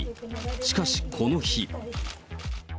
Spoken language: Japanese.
しかしこの日。